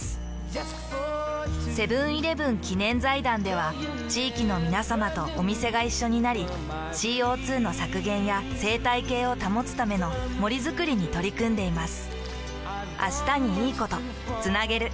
セブンーイレブン記念財団では地域のみなさまとお店が一緒になり ＣＯ２ の削減や生態系を保つための森づくりに取り組んでいます。